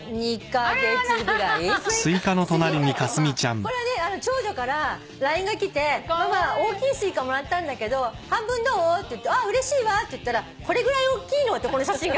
これはね長女からＬＩＮＥがきて「ママ大きいスイカもらったけど半分どう？」っていってああうれしいわ！っていったら「これぐらいおっきいの！」ってこの写真が。